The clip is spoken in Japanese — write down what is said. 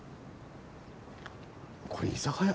これ居酒屋？